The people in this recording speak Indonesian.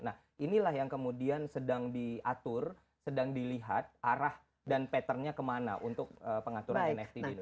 nah inilah yang kemudian sedang diatur sedang dilihat arah dan patternnya kemana untuk pengaturan nft di indonesia